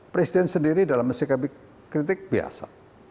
presiden sendiri dalam sikap kritik biasa